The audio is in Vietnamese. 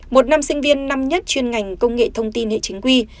một nam sinh viên năm nhất chuyên ngành công nghệ thông tin hệ chính quy